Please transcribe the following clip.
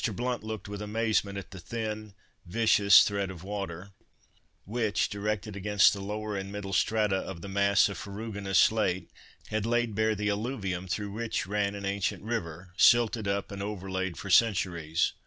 Blount looked with amazement at the thin, vicious, thread of water, which, directed against the lower and middle strata of the mass of ferruginous slate, had laid bare the alluvium through which ran an ancient river, silted up and overlaid for centuries.